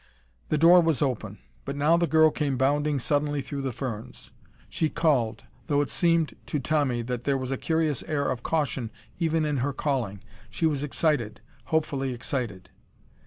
The door was open. But now the girl came bounding suddenly through the ferns. She called, though it seemed to Tommy that there was a curious air of caution even in her calling. She was excited, hopefully excited.